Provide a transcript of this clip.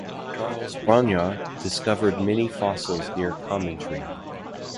Charles Brongniart discovered many fossils near Commentry.